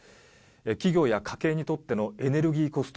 企業や家計にとってのエネルギーコスト